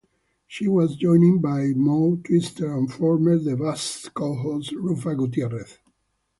She was joined by Mo Twister and former "The Buzz" co-host Ruffa Gutierrez.